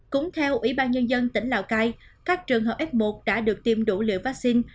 cũng theo ủy ban nhân dân tỉnh lào cai các trường hợp f một đã được tiêm đủ liều vaccine